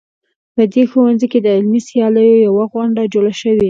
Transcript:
په دې ښوونځي کې د علمي سیالیو یوه غونډه جوړه شوې